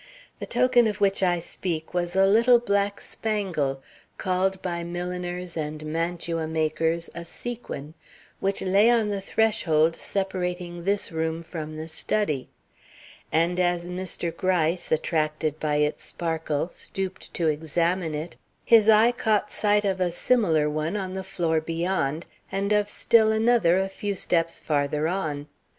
The token of which I speak was a little black spangle, called by milliners and mantua makers a sequin, which lay on the threshold separating this room from the study; and as Mr. Gryce, attracted by its sparkle, stooped to examine it, his eye caught sight of a similar one on the floor beyond, and of still another a few steps farther on.